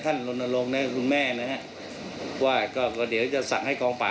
ลนลงนะครับคุณแม่นะฮะว่าก็เดี๋ยวจะสั่งให้กองป่า